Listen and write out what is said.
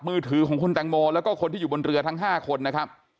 มือถือของคุณแตงโมแล้วก็คนที่อยู่บนเรือทั้ง๕คนนะครับ